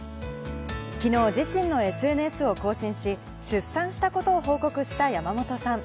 きのう自身のＳＮＳを更新し、出産したことを報告した山本さん。